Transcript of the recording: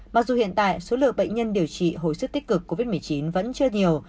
mặc dù hiện tại số lượng bệnh nhân điều trị hồi sức tích cực covid một mươi chín vẫn chưa nhiều